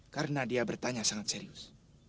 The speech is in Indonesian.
karena dia bertanya sangat serius